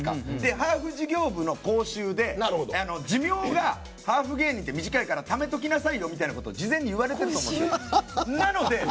ハーフ事業部の講習で寿命が、ハーフ芸人って短いからためときなさいよみたいなこと事前に言われてて。